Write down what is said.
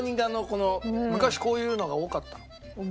昔こういうのが多かったの。